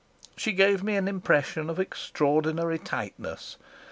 She gave me an impression of extraordinary tightness.